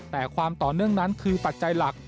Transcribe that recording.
แต่ความต่อเนื่องนั้นคือปัจจัยหลัก